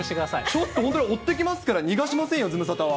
ちょっと、本当に追っていきますから、逃がしませんよ、ズムサタは。